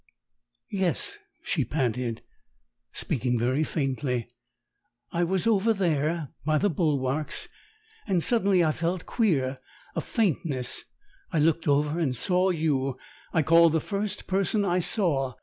"Yes," she panted, speaking very faintly, "I was over there by the bulwarks, and suddenly I felt queer a faintness I looked over and saw you I called the first person I saw.